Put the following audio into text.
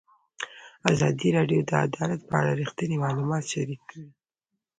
ازادي راډیو د عدالت په اړه رښتیني معلومات شریک کړي.